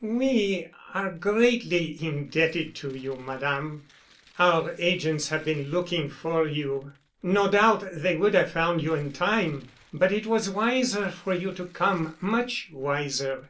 "We are greatly indebted to you, Madame. Our agents have been looking for you. No doubt they would have found you in time, but it was wiser for you to come—much wiser.